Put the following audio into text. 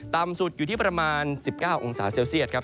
ต่ำสุดอยู่ที่ประมาณ๑๙องศาเซลเซียตครับ